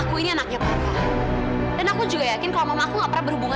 udah aku gak mau cahaya ribut